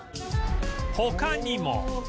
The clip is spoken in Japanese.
他にも